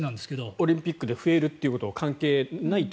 オリンピックで増えるということは関係ないと。